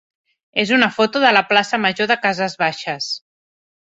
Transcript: és una foto de la plaça major de Cases Baixes.